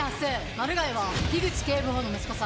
マルガイは口警部補の息子さん。